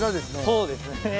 そうですね。